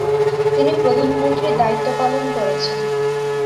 তিনি প্রধানমন্ত্রীর দায়িত্বপালন করেছেন।